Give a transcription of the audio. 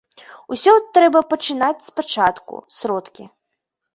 Усё трэба пачынаць спачатку, сродкі.